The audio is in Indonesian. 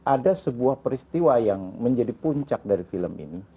ada sebuah peristiwa yang menjadi puncak dari film ini